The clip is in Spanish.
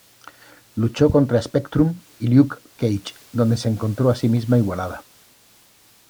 Luchó contra Spectrum y Luke Cage donde se encontró a sí misma igualada.